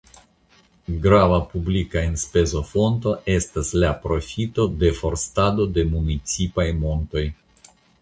Grava publika enspezofonto estas la profito de forstado de municipaj montoj.